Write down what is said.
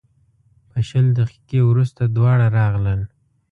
په شل دقیقې وروسته دواړه راغلل.